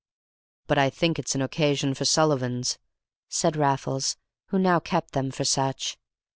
"But I think it's an occasion for Sullivans," said Raffles, who now kept them for such.